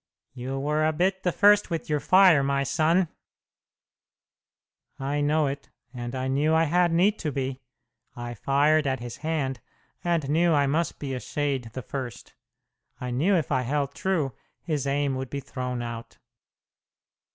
You were a bit the first with your fire, my son," "I know it, and I knew I had need to be. I fired at his hand, and knew I must be a shade the first. I knew if I held true, his aim would be thrown out."